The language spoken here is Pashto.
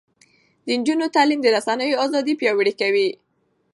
د نجونو تعلیم د رسنیو ازادي پیاوړې کوي.